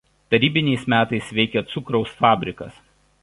Tarybiniais metais veikė cukraus fabrikas.